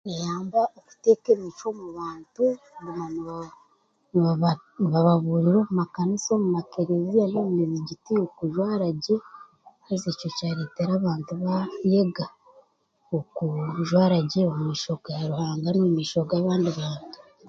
N'eyamba okuteka emicwe omu bantu kuguma nibababuriira omu makaniisa, omu makereziya, n'omumizigiti okujwaara gye haza eko kyaretera abantu bayega okujwaara gye omu maisho ga'ruhanga n'omumaisho g'abandi bantu.